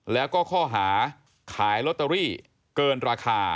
แล้วก็ข้อหาขายลอตเตอรี่เกินราคา